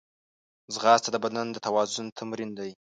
ځغاسته د بدن د توازن تمرین دی